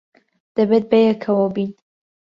دەبێت بەیەکەوە بین.